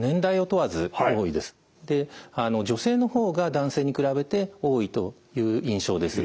女性の方が男性に比べて多いという印象です。